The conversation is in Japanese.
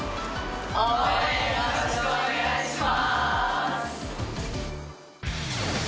応援よろしくお願いします。